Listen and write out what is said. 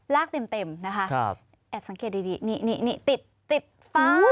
ลากเต็มนะคะ